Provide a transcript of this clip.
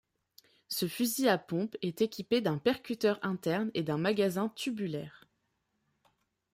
Ce fusil à pompe est équipé d'un percuteur interne et d'un magasin tubulaire.